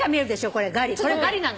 これガリなの。